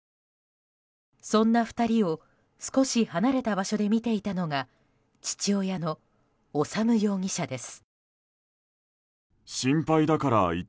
そんな２人を少し離れた場所で見ていたのは父親の修容疑者です。